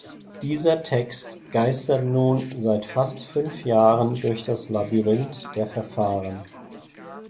Dieser Text geistert nun seit fast fünf Jahren durch das Labyrinth der Verfahren.